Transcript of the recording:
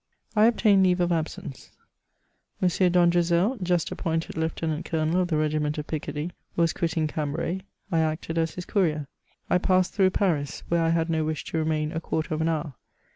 I obtained leave of absence, M, d'Andrezel, just appointed lieut^iant colonel of the regiment of Picardy, was quitting Gambxay » I acted as his courier. I passed through Paris, where I had no wish to remain a quarter of an hour.